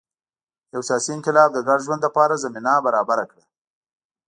یو سیاسي انقلاب د ګډ ژوند لپاره زمینه برابره کړه.